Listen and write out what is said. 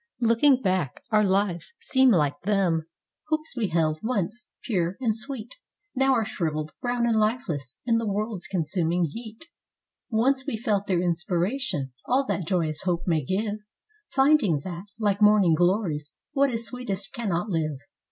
Looking back, our lives seem like them; hopes we held, once pure and sweet. Now are shriveled, brown and lifeless, in the world's consuming heat; Once we felt their inspiration, all that joy¬ ous hope may give, Finding that, like morning glories, what is sweetest cannot live.